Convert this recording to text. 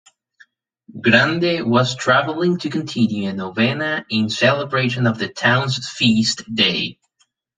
Grande was traveling to continue a novena in celebration of the town's feast day.